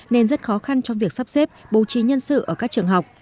nên rất khó khăn trong việc sắp xếp bố trí nhân sự ở các trường học